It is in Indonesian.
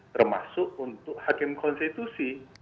termasuk untuk hakim konstitusi